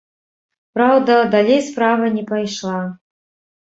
Праўда, далей справа не пайшла.